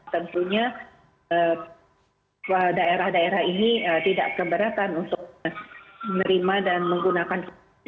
tentunya daerah daerah ini tidak keberatan untuk menerima dan menggunakan